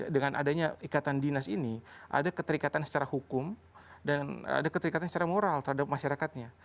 dengan adanya ikatan dinas ini ada keterikatan secara hukum dan ada keterikatan secara moral terhadap masyarakatnya